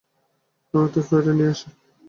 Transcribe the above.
আমি একটা সোয়েটার নিয়ে আসি।